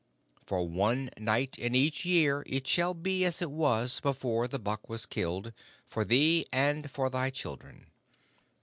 For one night in each year it shall be as it was before the buck was killed for thee and for thy children.